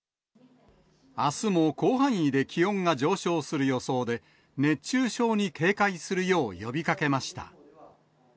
あすも広範囲で気温が上昇する予想で、熱中症に警戒するよう呼びかけました。